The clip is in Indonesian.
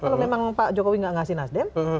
kalau memang pak jokowi tidak memberikan nasdem